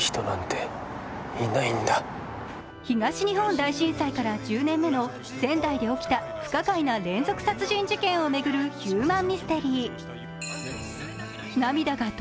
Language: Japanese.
東日本大震災から１０年目の仙台で起きた不可解な殺人事件を巡るヒューマンミステリー。